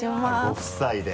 ご夫妻で。